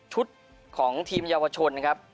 ของทีมเยาวชนนะครับ